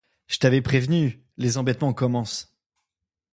Je t’avais prévenu, les embêtements commencent.